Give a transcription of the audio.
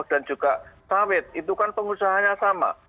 dan juga sawit itu kan pengusahanya sama